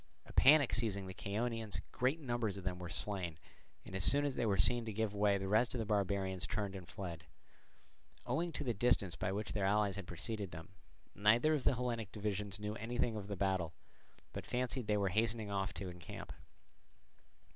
A panic seizing the Chaonians, great numbers of them were slain; and as soon as they were seen to give way the rest of the barbarians turned and fled. Owing to the distance by which their allies had preceded them, neither of the Hellenic divisions knew anything of the battle, but fancied they were hastening on to encamp.